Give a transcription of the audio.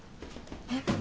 えっ。